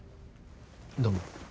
どうも。